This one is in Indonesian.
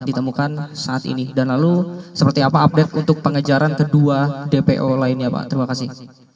ditemukan saat ini dan lalu seperti apa update untuk pengejaran kedua dpo lainnya pak terima kasih